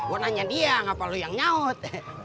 gue nanya dia apa lo yang nyaut